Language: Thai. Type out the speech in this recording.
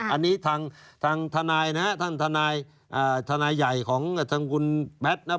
อันนี้ทางทนายทนายใหญ่ของทางคุณแบทนปภาร์ด์